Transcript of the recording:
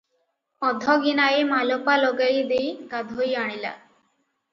ଅଧଗିନାଏ ମାଲପା ଲଗାଇ ଦେଇ ଗାଧୋଇ ଆଣିଲା ।